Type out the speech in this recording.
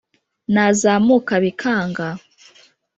Nazamuka bikanga